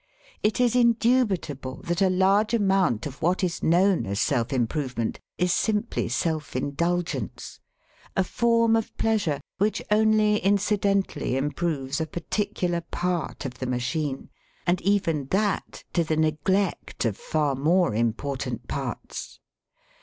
It is indubitable that a large amount of what is known as self improvement is simply self indulgence a form of pleasure which only incidentally improves a particular part of the machine, and even that to the neglect of far more important parts.